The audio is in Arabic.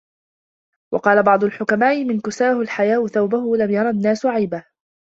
وَقَالَ بَعْضُ الْحُكَمَاءِ مَنْ كَسَاهُ الْحَيَاءُ ثَوْبَهُ لَمْ يَرَ النَّاسُ عَيْبَهُ